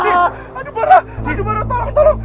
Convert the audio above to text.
aduh barah aduh barah tolong tolong